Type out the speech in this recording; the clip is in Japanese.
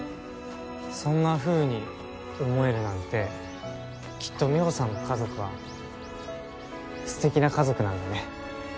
そんなふうに思えるなんてきっと美帆さんの家族はすてきな家族なんだね。